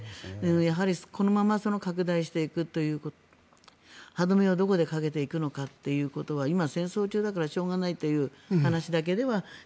やはり、このまま拡大していくということで歯止めはどこにかけていくのかということは今、戦争中だからしょうがないという話だけでは。